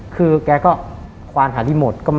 คือแกก็ควานหารีโมท